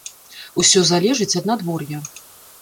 Усё залежыць ад надвор'я.